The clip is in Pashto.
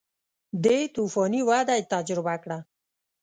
دې توفاني وده یې تجربه کړه